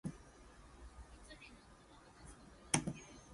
He became known as the "vegetarian champion" and "vegetarian pugilist".